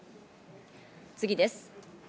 次です。